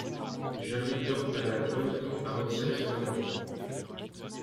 J’invite donc Madame Bonneton à retirer son amendement.